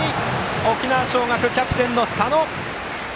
沖縄尚学キャプテンの佐野！